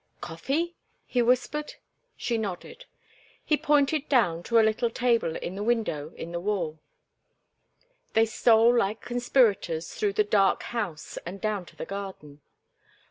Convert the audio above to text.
"Coffee?" he whispered. She nodded. He pointed down to a little table in the window in the wall. They stole like conspirators through the dark house and down to the garden.